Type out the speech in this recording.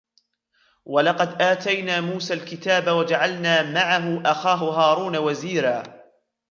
وَلَقَدْ آتَيْنَا مُوسَى الْكِتَابَ وَجَعَلْنَا مَعَهُ أَخَاهُ هَارُونَ وَزِيرًا